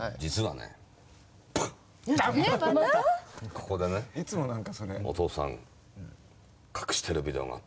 ここでねお父さん隠してるビデオがあったんだよ。